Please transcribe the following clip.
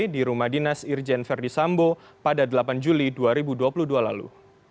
di rumah dinas irjen verdi sambo pada delapan juli dua ribu dua puluh dua lalu